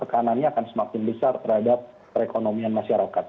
tekanannya akan semakin besar terhadap perekonomian masyarakat